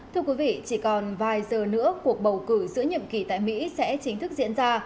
thưa quý vị chỉ còn vài giờ nữa cuộc bầu cử giữa nhiệm kỳ tại mỹ sẽ chính thức diễn ra